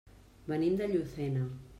Venim de Llucena.